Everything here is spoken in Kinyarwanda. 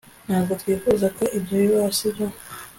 ntabwo twifuza ko ibyo bibaho, sibyo